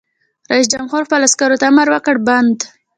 رئیس جمهور خپلو عسکرو ته امر وکړ؛ بند!